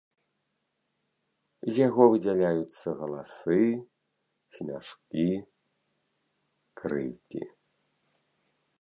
З яго выдзяляюцца галасы, смяшкі, крыкі.